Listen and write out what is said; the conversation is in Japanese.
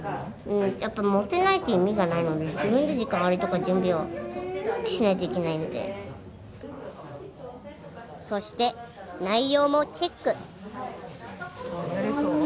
うんちょっと持てないと意味がないので自分で時間割とか準備をしないといけないのでそして内容もチェックやれそう？